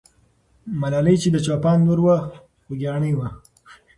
ملالۍ چې د چوپان لور وه، خوګیاڼۍ وه.